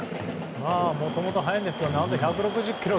もともと速いんですが何と１６０キロ。